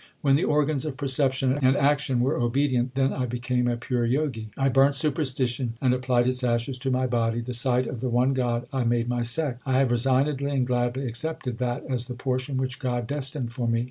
1 When the organs of perception and action were obedient, then I became a pure Jogi. I burnt superstition and applied its ashes to my body ; the sight of the one God I made my sect. I have resignedly and gladly accepted that as the portion which God destined for me.